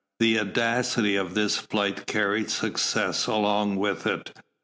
The audacity of this flight carried success along with it.